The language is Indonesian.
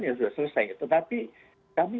dan sudah selesai tetapi kami